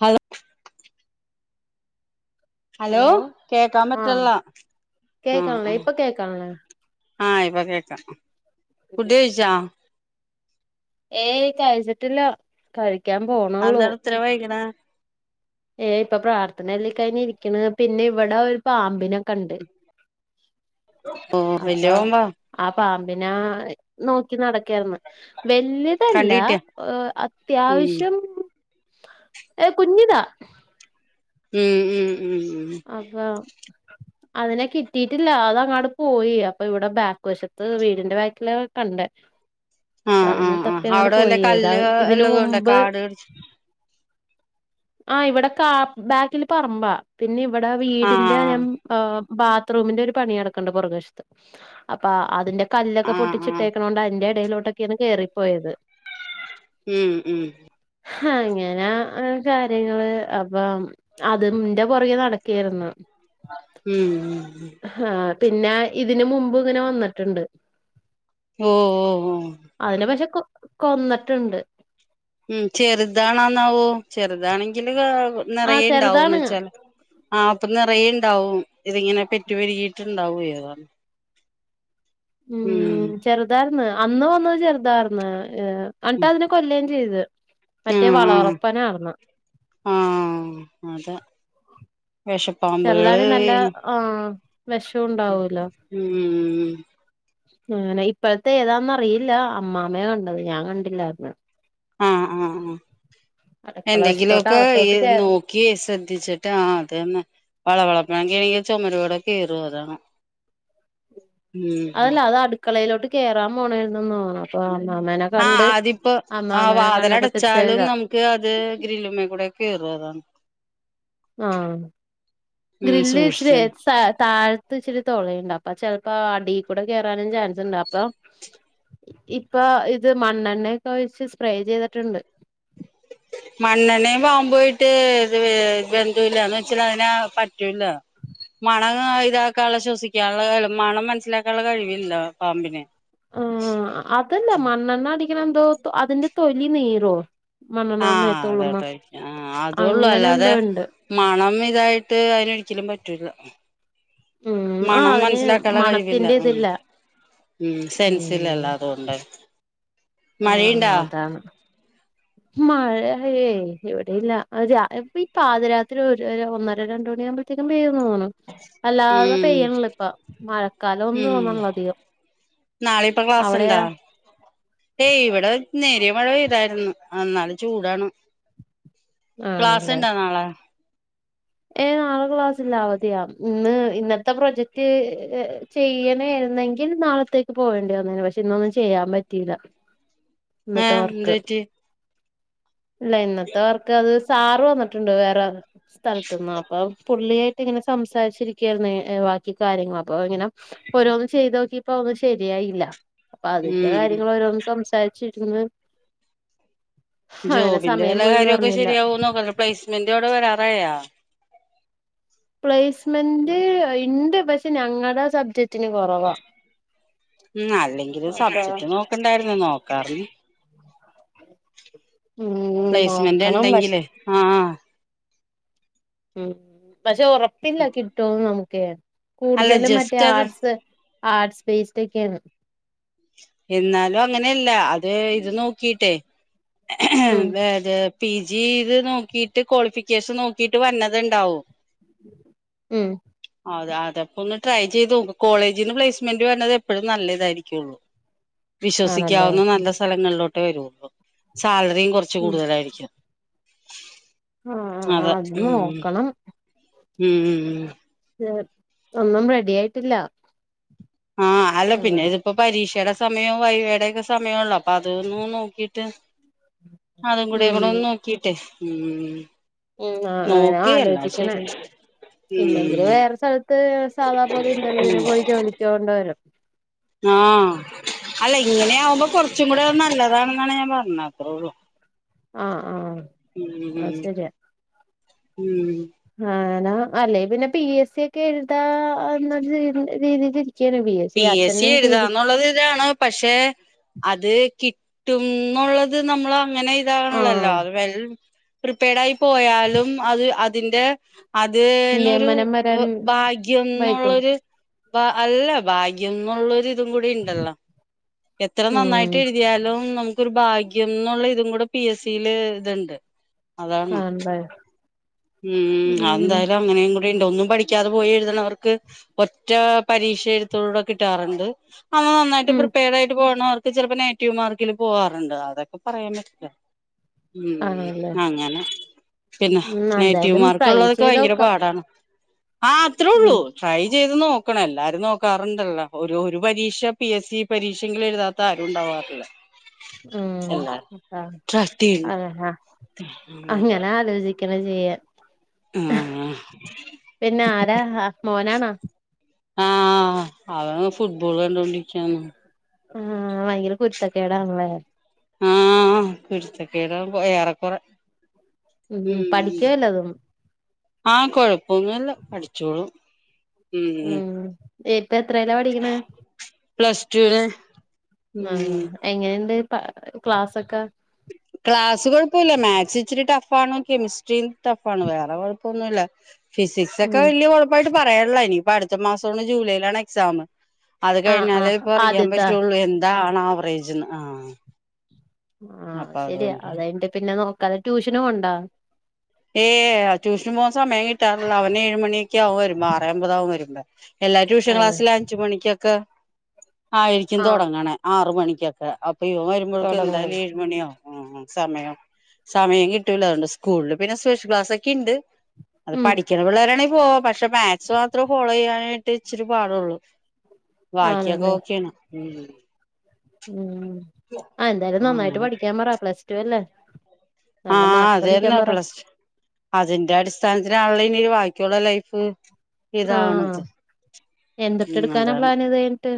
Hello hello കേക്കാൻ ആഹ് പറ്റ്ള്ളാ ആ കേക്കാണില്ലേ ഇപ്പൊ കേക്കാണില്ലേ ആ ആ ഇപ്പ കേക്കാം ഫുഡ് കഴിച്ചാ ഏയ് കഴിച്ച്ട്ടില്ല കഴി അന്തന്താണ് ഇത്ര വൈക്ണെ ഏ ഇപ്പ പ്രാർത്ഥനല്ലേ കഴിഞ് ഇരിക്ക്ണ് പിന്നെ ഇവിടെ ഒരു പാമ്പിനൊ [unintelligible] പിന്നാ നോക്കി നടക് കയ്ര്ന്ന് കണ്ട് വല്ല്യതല്ല കിട്ടിയാ ഹ് ഉം അത്യാവശ്യം ഏ കുഞ്ഞിദാ ഉം ഉം ഉം ഉം അപ്പ അതിനെ കിട്ടിട്ടില്ല അത് അങ്ങാട് പോയി അപ്പ ഇവിടെ ബേക്ക് വശത്ത് വീടിന്റെ ബാക്കില് കണ്ടേ ആഹ് അതിന ആഹ് തപ്പി ആഹ് അങ്ങട് അവിടെ വല്ല പോയി ഏതാ കല്ല് ഇതിന് ഉള്ളത് കൊണ്ടാ മുമ്പ് കാട് പിടിച്ച് ആ ഇവിടെ കാ ബേക്കില് പറമ്പാ പിന്നെ ഇവിടെ വീടിന്റെ ഞ ആഹ് ആ ബാത്റൂമിന്റെ ഒരു പണി നടക്കണ്ട് പുറകശത്ത് അപ്പ അതിന്റെ കല്ലൊക്കെ ആഹ് ആഹ് പൊട്ടിച്ചിട്ടേക്കണോണ്ട് അയ്ന്റെ ഇടയിലോട്ടൊക്കെയാണ് കേറിപ്പോയത് ഉം ഉം ഹങ്ങനാ ആ കാര്യങ്ങള് അപ്പം അതിന്റെ പുറകെ നടക്കേരുന്നു ഹാ ഉം ഉം ഹാ പിന്ന ഇതിന് മുമ്പും ഇങ്ങനെ വന്നിട്ട്ണ്ട് ഓ ഓ ഓ കൊന്നട്ട്ണ്ട് ഉം ചെറുതാണാന്നാവോ ചെറുതാണെങ്കില് കാ പ്പ് ആഹ് നെറയെ ഇണ്ടാവുന്ന് ചെറുതാണ് വെച്ചാല് അപ്പ് നെറയെ ഉണ്ടാവും ഇതിങ്ങനെ പെറ്റു പെര്കിട്ടുണ്ടാവും ഏ അതാണ് ഉം ചെറുതായിർന്ന് അന്ന് വന്നത് ചെറുതാർന്ന് അന്ന്ട്ട് അതിനെ കൊല്ലേ ചെയ്ത് ഉം മറ്റേ ഉം വളവളപ്പനാർന്ന് ആ ആ ആ അതെ ചെറുതാണി നല്ല വെഷപ്പാമ്പ്കളേയ് ആഹ് വെഷം ഉം ഉണ്ടാവൂലോ ഉം അങ്ങനെ ഇപ്പഴത്തെ ഏതാന്നറിയില്ല അമ്മാമ്മയാ കണ്ടത് ഞാൻ കണ്ടില്ലാർന്നു ആ ആ ആ അടുക്കള വശത്തോട്ട് എന്തെങ്കിലൊക്കെ ഇ അകത്തോട്ട് കേ നോക്കി ശ്രദ്ധിച്ചിട്ട് ആ അത് തന്നെ വള വളപ്പങ്കനാണെങ്കി അയ്യോ ചൊമര് കൂടെ കേറും അതാണ് ഉം അതല്ല അത് അട്ക്കളയിലോട്ട് കേറാൻ പോണെണെന്ന് തോന്ന്ണ് അപ്പം ആ അതിപ്പോ ആ കണ്ടപ്പോ വാതലടച്ചാലും തിരിച്ചെഴുതാ നമുക്ക് അത് ഗ്രില്ലിമ്മേ കൂടെ കേറും അതാണ് ആ ഉം ഗ്രില്ല് ഇച്ചിരി സൂക്ഷിച്ച് താഴത്ത് ഇച്ചിരി തൊളയുണ്ട് അപ്പൊ ചെൽപ്പോ അടി കൂടെ കേറാനും ചാൻസ് ഉണ്ട് അപ്പൊ ഇപ്പ ഇത് മണ്ണെണ്ണൊക്കെ ഒയിച്ച് സ്പ്രേ ചെയ്തിട്ടുണ്ട്. മണ്ണെണ്ണയും പാമ്പുവായിട്ട് ഇത് ബന്ധൊയില്ല ന്ന് വെച്ചാല് അതിനെ പറ്റൂല്ല മണം ഇതാക്കാള്ള ശ്വസിക്കാള്ള മണം മനസ്സിലാക്കാള്ള കഴിവില്ല പാമ്പിന് ആഹ് അതല്ല മണ്ണണ്ണ അടിക്കണം അതിന്റെ തൊലി നീറോ മണ്ണെണ്ണ ആഹ മേത്തോള്ളുമ്മ അതോട്ടായിരിക്കും ആ അതൊള്ളൂ അങ്ങനെ അല്ലാതെ എന്തോ ഉണ്ട് മണം ഇതായിട്ട് അതിനൊരിക്കലും പറ്റൂല ഉം ആ മണം അതിന് മനസ്സിലാക്കാള്ള കഴിവില്ല മണത്തിന്റെ ഉം ഇതില്ല ഉം ഉം സെൻസില്ലല്ല അതുകൊണ്ട് മഴയിണ്ടാ മഴ ഏ ഇവിടെയില്ല ഇപ്പം ഈ പാതി രാത്രി ഒരു ഒന്നര രണ്ടു മണി ആവുമ്പഴത്തേക്ക് പെയ്യു തോന്നണു അല്ലാതെ ഉം പെയ്യണില്ല ഇപ്പം മഴക്കാലം ആന്നു ഉം തോന്നുന്നില്ല അതികം നാളെ ഇപ്പ ക്ലാസ് ഇണ്ടാ അവിടെയോ ഏയ് ഇവിടെ നേരിയ മഴ പെയ്താരുന്ന് അന്നാലും ചൂടാണ്. ആണല്ലേ ക്ലാസ്സുണ്ടോ നാളെ ഏ നാളെ ക്ലാസ്സില്ല അവധിയാ ഇന്ന് ഇന്നത്തെ പ്രൊജക്റ്റ്‌ ചെയ്യണേ ആയിരുന്നെങ്കിൽ നാളത്തേക്ക് പോകേണ്ടി വന്നേനെ ഇന്നൊന്നും ചെയ്യാൻ പറ്റിയില്ല ഇന്നത്തെ ഏഹ് എന്ത് വർക്ക്‌ പറ്റി അല്ല ഇന്നത്തെ വർക്ക്‌ അത് സാറ് വന്നിട്ടുണ്ട് വേറെ സ്ഥലത്ത്ന്നാ അപ്പം പുള്ളിയായിട്ട് ഇങ്ങനെ സംസാരിച്ച് ഇരിക്കെ ആരുന്നേ ബാക്കി കാര്യങ്ങൾ അപ്പം ഇങ്ങനെ ഓരോന്ന് ചെയ്ത് നോക്കിയപ്പം ഒന്നും ശെരി ആയില്ല അപ്പം അതിന്റെ ഉം കാര്യങ്ങൾ ഓരോന്ന് സംസാരി ച്ചിരുന്ന് ജോബിന്റെ വെല്ല കാര്യോം ഒക്കെ ശെരിയാവോന്ന് നോക്ക് പ്ലേസ്മെന്റ് അത് വേറെയാ പ്ലേസ്മെന്റ് ഇണ്ട് പക്ഷെ ഞങ്ങടെ സബ്ജെക് ഉം അല്ലെങ്കിലും അപ്പൊ സബ്ജെക്ട് നോക്കേണ്ടാരുന്നേ നോക്കാറീ ഉം പ്ലേസ്മെന്റ് നോക്കണം പക്ഷെ ഇണ്ടെങ്കിലേ ആഹ് ആ ഉം പക്ഷെ ഒറപ്പില്ല കിട്ടുവോന്ന് നമു കെയാൻ അല്ല കൂടുതലും മറ്റേ ജസ്റ്റ് അത് ആർട്സ് ആർട്സ് [unintelligible] എന്നാലും അങ്ങനെ അല്ല അത് ഇത് നോക്കിയിട്ടേ ഉം [unintelligible] പി ജി ഇത് നോക്കിയിട്ട് ക്വാളിഫി ഫിക്കേഷൻ നോക്കിയിട്ട് വരുന്നത് ഉണ്ടാവും ഉം അത് അതപ്പം ട്രൈ ചെയ്ത് നോക്ക് കോളേജീന്ന് പ്ലേസ്മെന്റ് വരുന്നത് എപ്പഴും നല്ലത് ആയിരിക്കുവേ ഒള്ളു ആണല്ലേ വിശ്വസിക്കാവുന്ന നല്ല സ്ഥലങ്ങളിലോ ണ്ടിവരുവോ അപ്പം സാലറിയും കുറച്ച് ഉം കൂടുതലായിരിക്കും ആഹ് ആ അതെ അത് നോക്കണം ഉം ഉം ഉം ഉം ഒന്നും റെഡി ആയിട്ടില്ല ആ അല്ല പിന്നെ ഉം ഇതിപ്പോ പരീക്ഷയുടെ സമയം വൈവേടയൊക്കെ സമയമള്ളോ അപ്പൊ അതൊന്നന്ന് നോക്കിട്ട് അതും കൂടെ ഉം ഇവിടെ ഒന്ന് നോക്കിട്ടെ ഉം ഉം ആ അങ്ങനെ നോക്ക് എല്ലാം ആലോചിക്കണേ ശരിയാ ഇല്ലെങ്കില് ഉം വേറെ സ്ഥലത്ത് സാദാ പോലെ ഇന്റർവ്യൂവിന് ഉം പോയി ജോലിക്ക കൊണ്ട വരും ആ അല്ല ഇങ്ങനെ ആകുമ്പോ കുറച്ചും കൂടെത് നല്ലതാണെന്നാണ് ഞാൻ പറഞ്ഞത്ത്രേ ഉള്ളു ആ ആ ഉം ഉം ന അല്ലെ പിന്നെ പി എസ് സി ഒക്കെ എഴുതാ എന്ന രീതിൽ പി എസ് സി എഴുതാന്നുള്ളത് ഇതാണ് പക്ഷെ അത് കിട്ടുംന്നുള്ളത് നമ്മളെ അങ്ങനെ ആഹ് ഇതാകണല്ലോ അത് വ പ്രിപേടായി പോയാലും അത് അത് അതിന്റെ അത് നൊരു നിയമനം വരാൻ ഭാഗ്യം വൈകും ന്നുള്ളൊരു വ അല്ല ഭാഗ്യം ന്നുള്ളൊരു തുകൂടി ഉണ്ടല്ലോ എത്ര ഉം നന്നായിട്ട് എഴുതിയാലും നമുക്ക് ഒരു ഭാഗ്യം എന്നുള്ള ഇതും കൂടെ പി എസ് സിയില് ഇത്ണ്ട് ആഹ് ണ്ട ഉം അതെന്തായാലും അങ്ങനെയും കൂടി ഉണ്ടോ ഒന്നും പഠിക്കാതെ പോയി എഴുതുന്നവർക്ക് ഒറ്റ പരീക്ഷ എഴുത്തൂടെ കിട്ടാറുണ്ട് അവ നന്നായിട്ട് ഉം പ്രിപ്പേർഡ് ആയിട്ട് പോകുന്നവർക്ക് ചിലപ്പോ നേറ്റീവ് മാർക്കിലും പോവാാറുണ്ട് അതൊക്കെ പറയാൻ പറ്റില്ല ഉം ആണല്ലേ ഉം ആങ്ങനെ പിന്ന ഉം നെറ്റീവ് എന്തായാലും മാർക്ക ട്രൈ ഉള്ളതൊക്കെ ഭയങ്കര ചെയ്തോക്കാം പാടാണ് ആഹ് അത്രുള്ളൂ ഉം ട്രൈ ചെയ്ത് നോക്കണ എല്ലാരും നോക്കാറുണ്ടല്ലോ ഒരു ഒരു പരീക്ഷ പി എസ് സി പരീക്ഷെങ്കിലും എഴുതാത്ത ആരും ഉണ്ടവാറില്ല ഉം ട്രൈ ചെയ്യും അത അങ്ങനെ ആലോചി ക്കനെ ചെയ്യാ പിന്നെ ആരാ അ മോനാണോ അ ആഹ് അവൻ ഫുട്ബോള് കണ്ടോൊണ്ടിരിക്കാണ് ആ ഭയങ്കര കുരുത്തക്കെേടാണ്ലേ ആഹ് കുരുത്തക്കെടാ ഏറെക്കുറെ ഉം പഠിക്കോ വല്ലതും ആഹ് കൊഴപ്പൊന്നുല്ല പഠിച്ചോളും ഉം എട്ട് ഇപ്പ എത്രേലാ പഠിക്ക്ണെ പ്ലസ് ടുന് ആഹ് ഉം എങ്ങനണ്ട് പാ ക്ലാസ്സൊക്കെ ക്ലാസ്സ് കുഴപ്പുല്ല മാക്സ് ഇച്ചിരി ട്ട ഫാണോ കെമിസ്റ്റ്രീ ടാഫാണ് വേറെ കൊയ് കൊന്നുല്ല. ഫിസിക്സ് ഒക്കെ ഉം വല്യയ കൊഴപ്പായിട്ട് പറയണ്ല്ല ഇനി പ്പ അടുത്ത മാസോണ് ജൂലൈയിലാണ് എക്സാമ് അത് ആ ആ കഴിഞ്ഞാലേ ഇപ്പറിയാൻ ആദ്യത്താ പറ്റൊള്ളൂ എൻ താണാ ആവറേജ് ആഹ്. ആഹ് അപ്പൊ ശരി അതുകൊണ്ട് അതായിണ്ട് പിന്നെ നോ കാല ട്യൂഷന് പോവ്ണ്ടാ? ഏഹ് ട്യൂഷൻ പോകാൻ സമയം കിട്ടാറില്ല അവന് ഏഴുമണിയൊക്കാവുരുമ്പോ ആറെ അമ്പതാവും വരുമ്പോ. എല്ലാ ട്യൂഷൻ ക്ലാസ്സില് അഞ്ചു മണിക്കൊക്കെ ആയിരിക്കും ആ തുടങ്ങണേ ആറ് മണി ക്കെക്കെ അപ്പ് അപ്പയുവം വരുമ്പോഴേക്കും എന്താലും തൊടങ്ങുള്ളൂ ഏഴ് മണിയാ ഉം സമയം സമയം കിട്ടൂല അതുകൊണ്ട് സ്കൂളില് പിന്നെ സ്പെഷ്യൽ ക്ലാസ്സൊക്കിണ്ട്. അത് ഉം പഠിക്കണ പിള്ളേരാണെ പോ പക്ഷെ മാത്‍സ് മാത്രേ ഫോളോ ചെയ്യാനായിട്ട് ഇച്ചിരി പാടുള്ളൂ. ബാക്കിയൊക്കെ ആണല്ലേ ഓക്കേയാണ് ഉം ഉം ആ എന്തായാലും നന്നായിട്ട് പഠിക്കാൻ പറ പ്ലസ്ടുവല്ലെ ആ അതേന്നെ പ്ലസ് അതിന്റെ അടിസ്ഥാനത്തിലാണല്ലോ ഇനി ബാക്കിയുള്ള ലൈഫ് ഇതാണത് എന്തുട്ടെടുക്കാനാ പ്ലാന് ഇതുകഴിഞ്ഞിട്ട്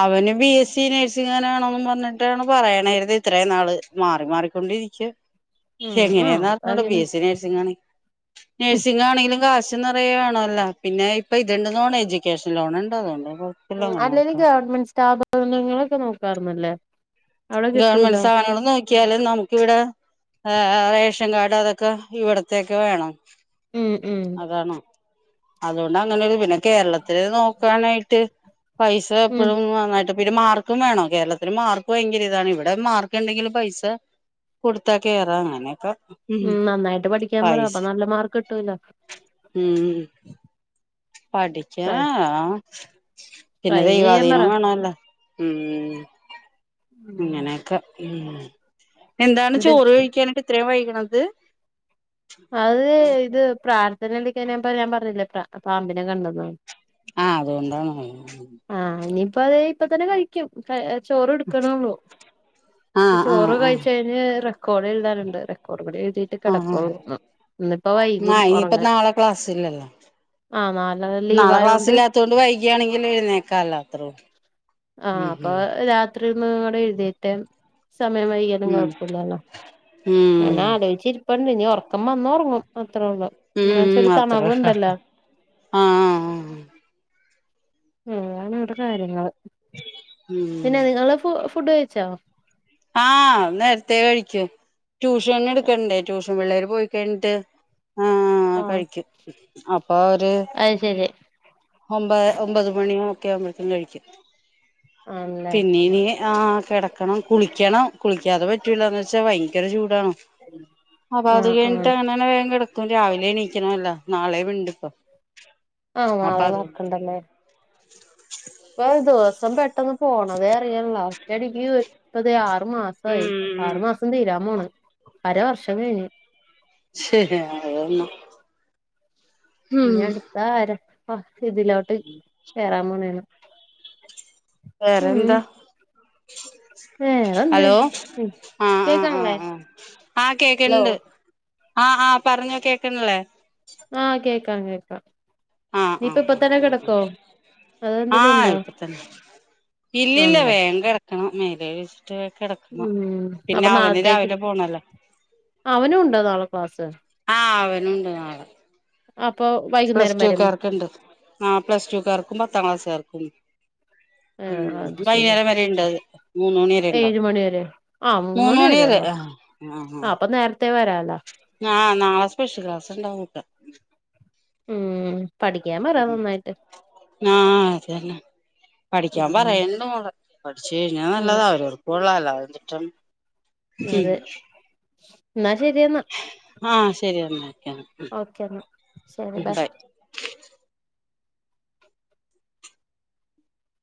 അവന് ബിഎസ്സി നഴ്‌സിങ്ങന്നെ വേണോന്നും പറഞ്ഞിട്ടാണ് പറയണേത് ഇത്രേം നാള് മാറി മാറി കൊണ്ടിരിക്കും ഉം ആഹ് അപ്പ എങ്ങനെയാന്നറിഞ്ഞൂടാ അങ്ങനെ ബിഎസ്സി നേഴ്‌സിങ്ങാണ് നേഴ്സിങ്ങാണേലും കാശ് [unintelligible] പിന്നെ ഇപ്പൊ ഇത് ഉണ്ടെന്ന് തോന്നണ് എഡ്യൂക്കേഷൻ ലോൺ ഉണ്ട് അതുകൊണ്ടാണ്‌ ഉം അല്ലേലും ഗവണ്മെന്റ് സ് [unintelligible] നോക്കാർന്നില്ലേ ഗവണ്മെന്റ് സ്ഥാപനങ്ങള് നോ- നമുക്കിവിടെ ആഹ് റേഷൻ കാർഡ് അതൊക്ക ഇവിടുത്തെ ഒക്കെ വേണം മ്മ് മ്മ് അതുകൊണ്ടാ അങ്ങനെ ഒരു കേരളത്തില് നോക്കാനായിട്ട് പൈസ ഉം എപ്പഴും നന്നായിട്ട് പിന്നെ മാർക്കും വേണം കേരളത്തില് മാർക്ക്‌ ഭയങ്കര ഇതാണ് ഇവിടെ മാർക്കിണ്ടെങ്കിലും പൈസ കൊടുത്താ കേറാം അങ്ങനെക്കെ മ്മ് നന്നായിട്ട് പഠിക്കാൻ പറ അപ്പൊ നല്ല മാർക്ക്‌ കിട്ടുവല്ലോ പഠിക്കാൻ ആഹ് പിന്നെ ട്രൈ ചെയ്യാൻ പറ ദൈവാധീനവും വേണോല്ല മ്മ് ഉം ഇങ്ങനെക്കെ മ്മ് എന്താണ് ഇത് ചോറ് കഴിക്കാനായിട്ട് ഇത്രേം വൈകു - അത് അത് ഇത് പ്രാർത്ഥനേൽ ഇരുന്നപ്പോ ഞാൻ പറഞ്ഞില്ലേ പാമ്പിനെ കണ്ടെന്ന് ആഹ് അതുകൊണ്ടാണ് ദേ ഇപ്പൊ തന്നെ കഴിക്കും ചോറ് കൊടുക്കണേ ഉള്ളു ആഹ് ആഹ് ചോറൊക്കെ ആഹ് കഴിച്ച് കഴിഞ്ഞ് കൊറേ എഴുതാനുണ്ട് റെക്കോർഡ് കൂടി എഴുതട്ടെ ആഹ് ആഹ് കിടക്കൂള്ളു ആഹ് ഇനിയിപ്പോ നാളെ ക്ലാസ്സില്ലല്ലോ ആ നാളെ ലീവ് നാളെ ആയോണ്ട് ക്ലാസ്സില്ലാത്ത കൊണ്ട് വൈകി ആണേലും എഴുനേൽക്കാല്ലോ അത്രേ ഉള്ളു ആഹ അപ്പൊ രാത്രി അവിടെ എഴുതിട്ട സമയം വൈകാലും ഉം കുഴപ്പില്ലല്ലോ ഉം ന ആലോചിച്ചി പണ്ട് നനി ഉറക്ക വന്നന്ന് ഉറങ്ങും അത്രേ ഉള്ളൂ എന്ന് വെച്ചാ ഉം ഒരു അത്ര ഉള്ളു തണവുണ്ടല്ലോ ആ ഏ ആണ് ഇവിടെ കാര്യങ്ങൾ ഉം പിന്നെ നിങ്ങളെ ഫുഡ്‌ കഴിച്ചോ ആഹ നത്തെേ കഴിക്കു ട്യൂഷൻ എടുക്കണ്ടേട്യൂഷൻ പിള്ളേര് പോയിക്കിണ്ട് ആ ആ കഴിക്കും അപ്പൊ ഒരു അത് ശരി ഒമ്പ ഒമ്പത് മണിയോ ക്യാവുമ്പോത്തിനും കഴിക്കും ആണല്ലേ പിന്നീനി ആ കിടക്കണം കുളിക്ക്യണംകുളിക്കാതെ പറ്റൂല്ല ന്ന് വച്ചാ ഭയങ്കര ചൂടാണ് അപ്പൊ ആ അത് ആ കഴിഞ്ഞിട്ട് അന്നനെ വേം കെടക്കും രാവിലെണീ ല്ല നാളെ വിണ്ടിപ്പം ആഹ് നാളെം വർക് ഇണ്ടല്ലേ ഇപ്പ ദിവസം പെട്ടെന്ന് പോണതേ അറിയ്ണ്ല്ലാ ഒറ്റടിക്ക് ഇപ്പതേ ആ റു മാസയി ഉം ഉം ആറു മാസം തീരാൻ പോണ് അര വർഷം കഴിഞ്ഞ് ശരി അതന്നെ ഇഞ് അടുത്താര അഹ് ഇതിലോട്ട് കേറാൻ പോണേണ് വേറെന്താ വേറന്ത് ഹലോ ഉം ആ ആ ആ കേകണില്ലെ ആ ഹലോ ആഹ് ആഹ് പറഞ്ഞോ കേക്ണല്ലേ ആഹ് കേക്കാം കേക്കാം ആഹ് നീ ഇപ്പ ആഹ് ഇപ്പ തന്നെ കിടക്കോ അതോ എന്തേലും ആഹ് ഉണ്ടോ ഇപ്പ തന്നെ ഇല്ലില്ല ആണല്ലേ വേങ്ക ടക്കണം മേ [unintelligible] ഉം അപ്പൊ നാളത്തേക്ക് രാവിലെ പോണല്ലോ അവനും ഉണ്ടോ നാള ക്ലാസ് ആഹ് അവനുണ്ട് നാളെ അപ്പൊ പ്ലസ് വൈകുന്നേരം ടു വരും കാർക്ക്ണ്ട് ആഹ് പ്ലസ്ടു ക്കാർക്കും പത്താം ക്ലാസ്സാർക്കും ആഹ് ഊം അത് ശരി വൈകുന്നേരം വരെ ഉണ്ട് മൂന്നു മണി ഏഴ് ഉണ്ടാവും മണി വരെ ആഹ് മൂന്ന് മണി വരെ വരെയൊള്ളോ ആ ആ ആഹ് അപ്പൊ നേരത്തെ വരാല്ലോ നാളെ സ്പെഷ്യൽ ഇണ്ടാവും [unintelligible] ഉം പഠിക്കാൻ പറ ഉം നന്നായിട്ട് ആ അത് തന്നെ പഠിക്കാൻ ഉം പറയ്ണ്ട് മോള് പഠിച്ചു കഴിഞ്ഞാൽ അതെ നല്ലതാ അവരവർക്ക് കൊള്ളാം അല്ലാ [unintelligible] അതെ എന്നാ ശെരി എന്നാ ശെരി എന്നാ ഓക്കെ ഓക്കേ എന്നാ ശെരി ബൈ